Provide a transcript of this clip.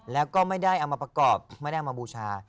แล้วก็ไม่ได้เอามาประกอบไม่ได้เอามาบูชา